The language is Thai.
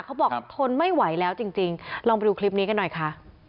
เขาบอกทนไม่ไหวแล้วจริงลองไปดูคลิปนี้กันหน่อยค่ะ